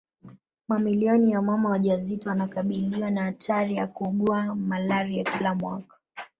Mamilioni ya mama wajawazito wanakabiliwa na hatari ya kuugua malaria kila mwaka